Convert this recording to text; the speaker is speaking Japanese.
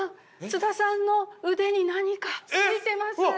津田さんの腕に何か着いてます。